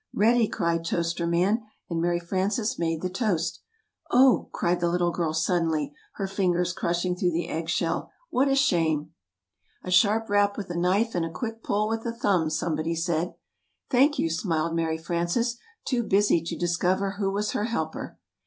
"Ready!" cried Toaster Man, and Mary Frances made the toast. "Oh!" cried the little girl suddenly, her fingers crushing through the eggshell, "what a shame!" [Illustration: "Ready!" "Ready!"] "A sharp rap with a knife and a quick pull with the thumbs," somebody said. "Thank you," smiled Mary Frances, too busy to discover who was her helper.